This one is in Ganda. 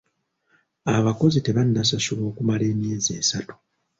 Abakozi tebannasasulwa okumala emyezi esatu.